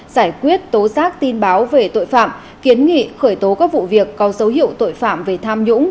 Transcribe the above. giải quyết tố giác tin báo về tội phạm kiến nghị khởi tố các vụ việc có dấu hiệu tội phạm về tham nhũng